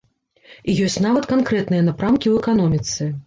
І ёсць нават канкрэтныя напрамкі ў эканоміцы.